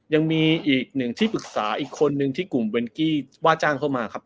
ยังมีอีกหนึ่งที่ปรึกษาอีกคนนึงที่กลุ่มเวนกี้ว่าจ้างเข้ามาครับ